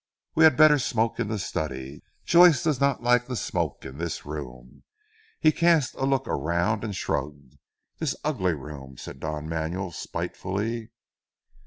We had better smoke in the study. Joyce does not like the smoke in this room " he cast a look round and shrugged, "this ugly room," said Don Manuel spitefully.